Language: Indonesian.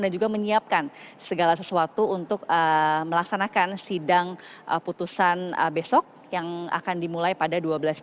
dan juga menyiapkan segala sesuatu untuk melaksanakan sidang putusan besok yang akan dimulai pada dua belas tiga puluh